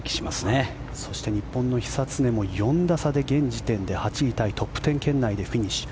日本の久常も４打差で、現時点で８位タイトップ１０圏内でフィニッシュ。